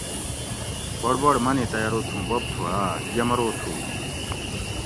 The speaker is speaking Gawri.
بڑبڑ منی تئ ارو تھُوں بوب تھو آۤ؟ یہ مرو تھُو